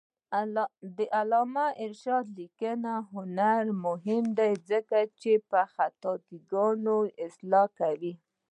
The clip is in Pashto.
د علامه رشاد لیکنی هنر مهم دی ځکه چې خطاګانې اصلاح کوي.